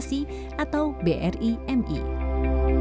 ketua pertama pertama pertama pertama pertama pertama pertama